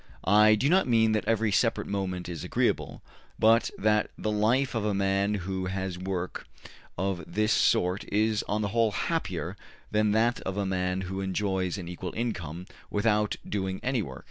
I do not mean that every separate moment is agreeable, but that the life of a man who has work of this sort is on the whole happier than that of a man who enjoys an equal income without doing any work.